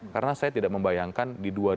karena saya tidak membayangkan